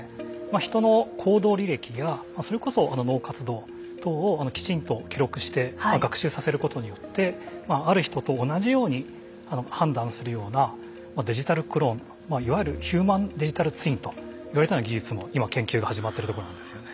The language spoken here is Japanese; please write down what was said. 人の行動履歴やそれこそ脳活動等をきちんと記録して学習させることによってある人と同じように判断するようなデジタルクローンまあいわゆるヒューマンデジタルツインといわれるような技術も今研究が始まっているとこなんですよね。